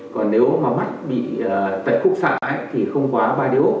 còn nếu mà mắt bị tật khúc sạc thì không quá ba điểm